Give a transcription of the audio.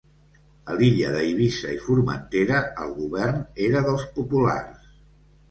A l'illa d'Eivissa i Formentera, el govern era dels populars.